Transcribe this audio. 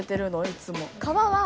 いつも。